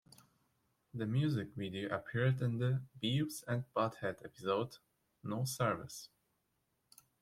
The music video appeared in the "Beavis and Butt-head" episode "No Service".